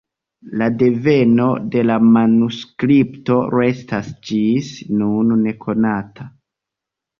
La deveno de la manuskripto restas ĝis nun nekonata.